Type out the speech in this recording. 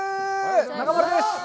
中丸です！